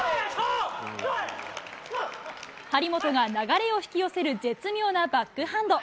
張本が流れを引き寄せる絶妙なバックハンド。